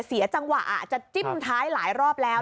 เสียจังหวะจะจิ้มท้ายหลายรอบแล้ว